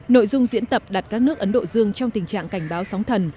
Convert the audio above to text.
nội dung diễn tập đặt các nước ấn độ dương trong tình trạng cảnh báo sóng thần